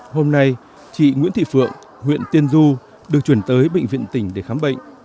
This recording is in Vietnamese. hôm nay chị nguyễn thị phượng huyện tiên du được chuyển tới bệnh viện tỉnh để khám bệnh